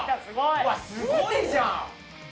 うわすごいじゃん！